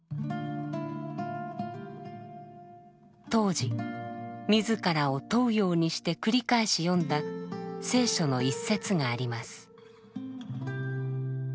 当時自らを問うようにして繰り返し読んだ聖書の一節があります。